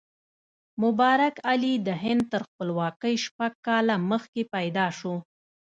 مبارک علي د هند تر خپلواکۍ شپږ کاله مخکې پیدا شو.